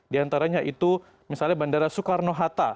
diantaranya itu misalnya bandara soekarno hatta